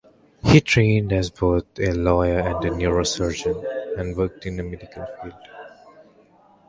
He trained as both a lawyer and neurosurgeon, and worked in the medical field.